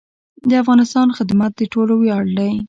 د افغانستان خدمت د ټولو ویاړ دی